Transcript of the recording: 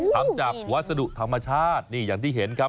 ทำจากวัสดุธรรมชาตินี่อย่างที่เห็นครับ